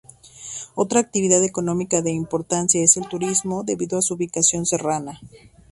Otra actividad económica de importancia es el turismo, debido a su ubicación serrana.